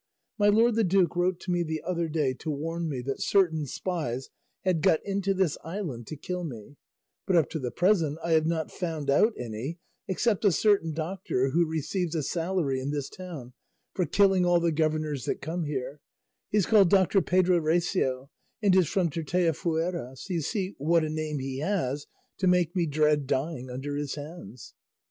My lord the duke wrote to me the other day to warn me that certain spies had got into this island to kill me; but up to the present I have not found out any except a certain doctor who receives a salary in this town for killing all the governors that come here; he is called Doctor Pedro Recio, and is from Tirteafuera; so you see what a name he has to make me dread dying under his hands.